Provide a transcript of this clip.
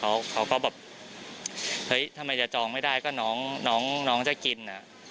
เขาก็แบบเฮ้ยทำไมจะจองไม่ได้ก็น้องน้องจะกิน